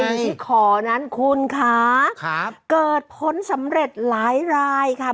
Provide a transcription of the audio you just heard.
สิ่งที่ขอนั้นคุณค่ะครับเกิดพ้นสำเร็จหลายรายค่ะ